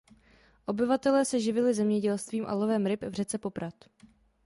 Obyvatelé se živili zemědělstvím a lovem ryb v řece Poprad.